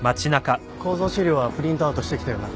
構造資料はプリントアウトしてきたよな？